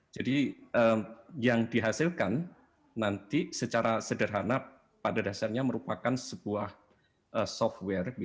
jadi yang dihasilkan nanti secara sederhana pada dasarnya merupakan sebuah software